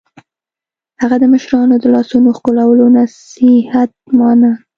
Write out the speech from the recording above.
هغه د مشرانو د لاسونو ښکلولو نصیحت مانه